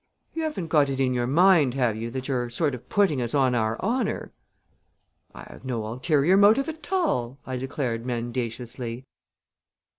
You haven't got it in your mind, have you, that you're sort of putting us on our honor?" "I have no ulterior motive at all," I declared mendaciously.